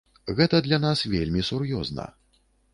Гэта для нас вельмі сур'ёзна.